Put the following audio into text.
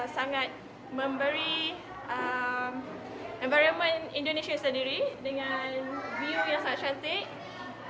sangat memberi environment indonesia sendiri dengan view yang sangat cantik